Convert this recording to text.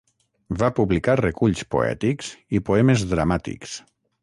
Va publicar reculls poètics i poemes dramàtics.